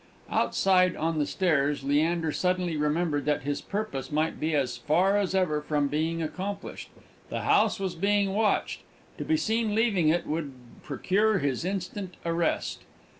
_ Outside on the stairs Leander suddenly remembered that his purpose might be as far as ever from being accomplished. The house was being watched: to be seen leaving it would procure his instant arrest.